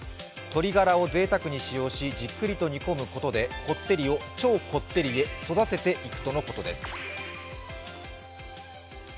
鶏がらをぜいたくに使用しじっくりと煮込むことでこってりを超こってりに育てていくとのことです。